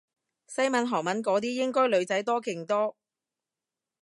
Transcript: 西文韓文嗰啲應該女仔多勁多